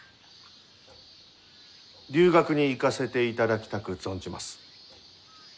留学に行かせていただきたく存じます。